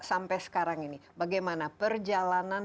sampai sekarang ini bagaimana perjalanan